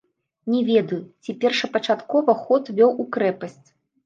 Не ведаю, ці першапачаткова ход вёў у крэпасць.